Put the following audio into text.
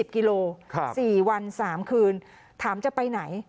๒๐กิโลกรัม๔วัน๓คืนถามจะไปไหน